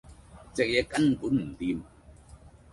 隻嘢根本唔掂